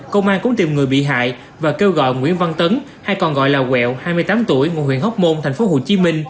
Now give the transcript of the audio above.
công an cũng tìm người bị hại và kêu gọi nguyễn văn tấn hay còn gọi là quẹo hai mươi tám tuổi ngụ huyện hóc môn tp hcm